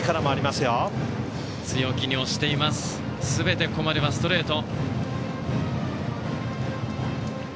すべてここまではストレート。